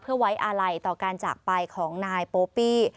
เพื่อไว้อาลัยต่อการจากไปของนายโปปี้